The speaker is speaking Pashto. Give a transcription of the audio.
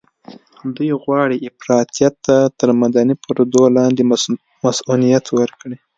دوی غواړي افراطيت ته تر مدني پردو لاندې مصؤنيت ورکړي.